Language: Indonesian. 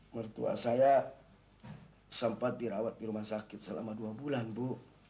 mertua saya sempat dirawat di rumah sakit selama dua bulan bu